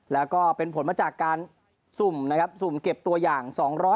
แล้วก็เป็นผลมาจากการสุ่มเก็บตัวอย่าง